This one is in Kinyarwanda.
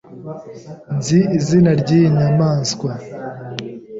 Nzi izina ryiyi nyamaswa.